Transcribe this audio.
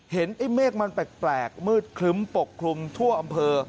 ไอ้เมฆมันแปลกมืดครึ้มปกคลุมทั่วอำเภอ